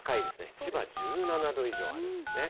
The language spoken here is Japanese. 千葉１７度以上あるんですね。